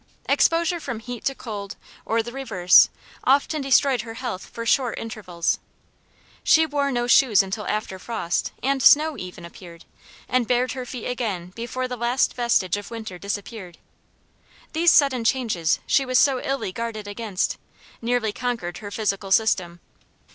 Exposure from heat to cold, or the reverse, often destroyed her health for short intervals. She wore no shoes until after frost, and snow even, appeared; and bared her feet again before the last vestige of winter disappeared. These sudden changes she was so illy guarded against, nearly conquered her physical system.